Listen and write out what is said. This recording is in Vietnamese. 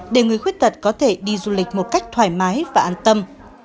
để người khuyết tật có thể đi du lịch một cách thoải mái và an tâm